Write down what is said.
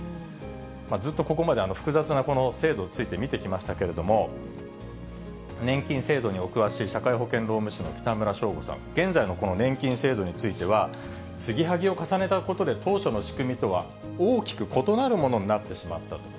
ずっとここまで複雑なこの制度について見てきましたけれども、年金制度にお詳しい社会保険労務士の北村庄吾さん、現在のこの年金制度については、継ぎはぎを重ねたことで、当初の仕組みとは大きく異なるものになってしまったと。